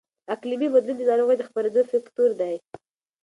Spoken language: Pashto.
اقلیمي بدلون د ناروغۍ د خپرېدو فکتور دی.